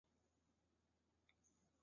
迎宾高速是浦东国际机场的配套工程。